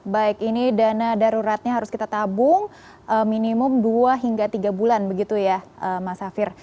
baik ini dana daruratnya harus kita tabung minimum dua hingga tiga bulan begitu ya mas safir